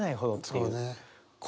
そうね。